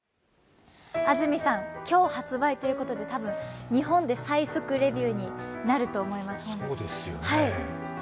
今日発売ということで日本で最速デビューになると思います。